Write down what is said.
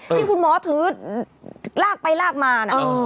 ที่คุณหมอถือลากไปลากมานะ